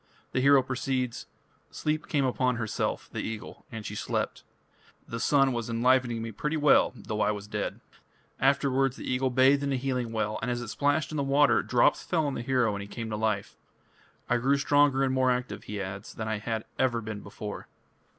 The hero proceeds: "Sleep came upon herself (the eagle) and she slept. The sun was enlivening me pretty well though I was dead." Afterwards the eagle bathed in a healing well, and as it splashed in the water, drops fell on the hero and he came to life. "I grew stronger and more active", he adds, "than I had ever been before."